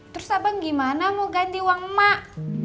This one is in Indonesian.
terus abang gimana mau ganti uang emak